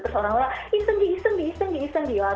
terus orang orang ism giwak ism giwak ism giwak